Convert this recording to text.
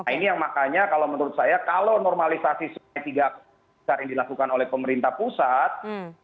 nah ini yang makanya kalau menurut saya kalau normalisasi sungai tidak besar yang dilakukan oleh pemerintah pusat